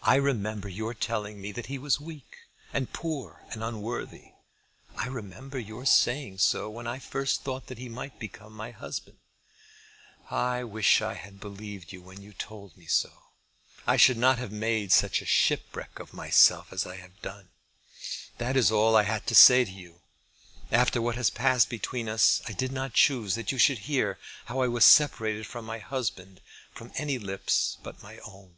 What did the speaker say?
I remember your telling me that he was weak, and poor, and unworthy. I remember your saying so when I first thought that he might become my husband. I wish I had believed you when you told me so. I should not have made such a shipwreck of myself as I have done. That is all I had to say to you. After what has passed between us I did not choose that you should hear how I was separated from my husband from any lips but my own.